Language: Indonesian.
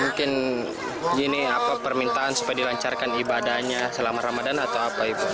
mungkin ini permintaan supaya dilancarkan ibadahnya selama ramadhan atau apa ibu